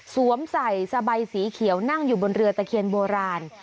สวมใส่สบายสีเขียวนั่งอยู่บนเรือตะเคียนโบราณ